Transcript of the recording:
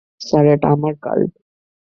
Sir এটা আমার card.